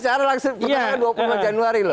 saya bicara langsung pertama dua puluh lima januari loh